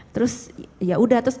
terus ya udah